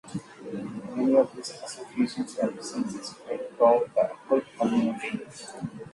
Many of these associations have since spread throughout the occult community.